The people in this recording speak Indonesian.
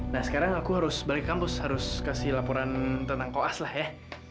nah sekarang aku harus balik kampus harus kasih laporan tentang koas lah ya